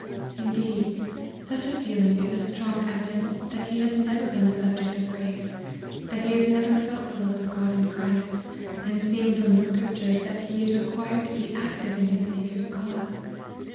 Indeed, such a feeling is a strong evidence that he has never been the subject of grace, that he has never felt the love of God in Christ, and seen from the scriptures that he is required to be active in his Saviour's cause.